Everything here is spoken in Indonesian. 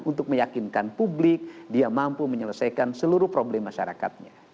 untuk meyakinkan publik dia mampu menyelesaikan seluruh problem masyarakatnya